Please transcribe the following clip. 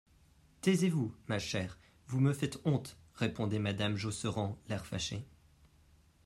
Taisez-vous, ma chère, vous me faites honte, répondait madame Josserand, l'air fâché.